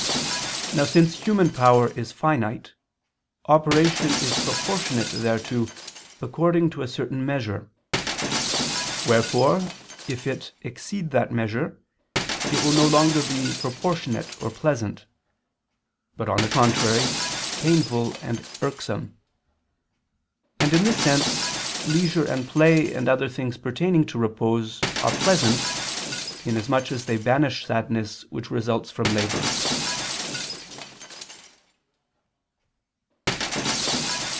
Now, since human power is finite, operation is proportionate thereto according to a certain measure. Wherefore if it exceed that measure, it will be no longer proportionate or pleasant, but, on the contrary, painful and irksome. And in this sense, leisure and play and other things pertaining to repose, are pleasant, inasmuch as they banish sadness which results from labor.